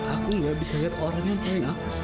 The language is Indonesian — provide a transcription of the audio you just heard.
aku nggak bisa lihat orang yang aku sayang di penjara